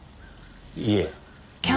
いえ。